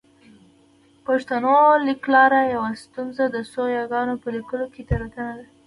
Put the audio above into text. پښتو لیکلار یوه ستونزه د څو یاګانو په لیکلو کې تېروتنه ده